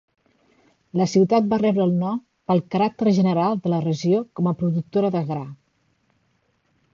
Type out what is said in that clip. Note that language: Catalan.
La ciutat va rebre el nom pel caràcter general de la regió com a productora de gra.